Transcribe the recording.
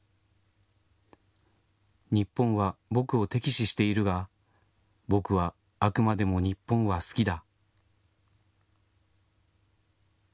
日本は僕を敵視しているが僕はあくまでも日本は好きだ。